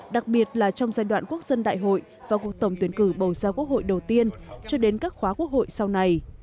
đặc biệt là trong giai đoạn quốc dân đại hội và cuộc tổng tuyển cử bầu ra quốc hội đầu tiên cho đến các khóa quốc hội sau này